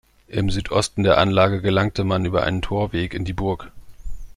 Im Südosten der Anlage gelangte man über einen Torweg in die Burg.